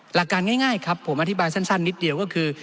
หลักการง่ายครับผมอธิบายสั้นนิดเดียวก็คือ